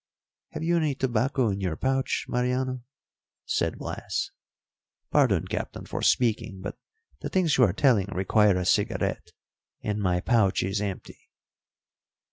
"Have you any tobacco in your pouch, Mariano?" said Blas. "Pardon, Captain, for speaking, but the things you are telling require a cigarette, and my pouch is empty."